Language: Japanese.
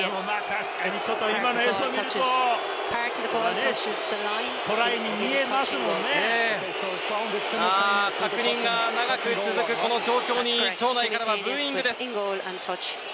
確認が長く続くこの状況に場内からはブーイングです。